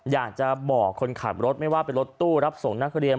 อยากจะบอกคนขับรถไม่ว่าเป็นรถตู้รับส่งนักเรียน